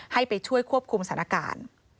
ให้ไปช่วยควบคุมสถานการณ์